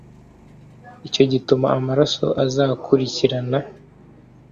icyo gituma amaraso azagukurikirana